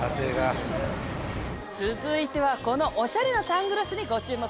続いてはこのおしゃれなサングラスにご注目！